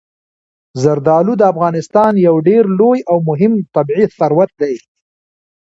زردالو د افغانستان یو ډېر لوی او مهم طبعي ثروت دی.